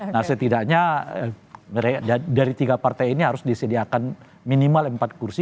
nah setidaknya dari tiga partai ini harus disediakan minimal empat kursi